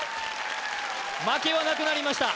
負けはなくなりました